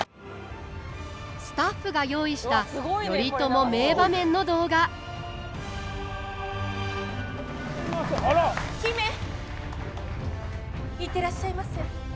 スタッフが用意した頼朝名場面の動画姫行ってらっしゃいませ。